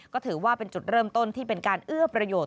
ก็ถือว่าเป็นจุดเริ่มต้นที่เป็นการเอื้อประโยชน